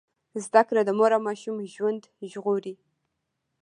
زده کړه د مور او ماشوم ژوند ژغوري۔